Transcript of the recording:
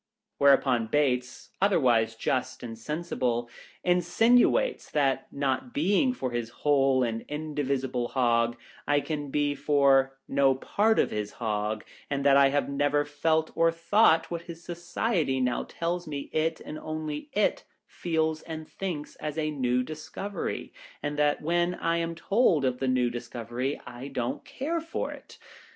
Whereupon Bates, otherwise just and sensible, insinuates that not being for his Whole and indivisible Hog, I can be for no part of his Hog ; and that I have never felt or thought what his Society now tells me it, and only it, feels and thinks as a new dis covery ; and that when I am told of the new discovery I don't care for it